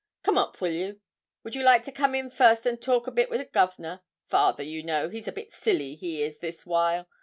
Come up, will you? Would you like to come in first and talk a bit wi' the governor? Father, you know, he's a bit silly, he is, this while.'